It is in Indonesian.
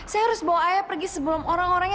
saya harus bawa ayah pergi sebelum orang orangnya